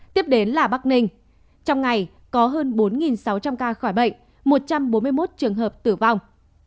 tiếp đến là bắc ninh trong ngày có hơn bốn sáu trăm linh ca khỏi bệnh một trăm bốn mươi một trường hợp tử vong